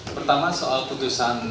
pertama soal putusan